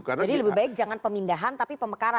jadi lebih baik jangan pemindahan tapi pemekaran